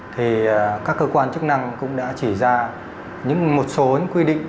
thì các cơ quan chức năng cũng đã chỉ ra những một số quy định